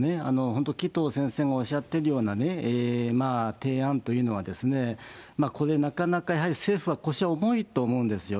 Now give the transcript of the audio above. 本当、紀藤先生がおっしゃってるような提案というのは、これ、なかなかやはり政府は腰は重いと思うんですよ。